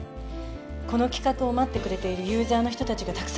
この企画を待ってくれているユーザーの人たちがたくさんいるんです。